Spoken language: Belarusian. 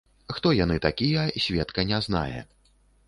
Хто яны такія, сведка не знае.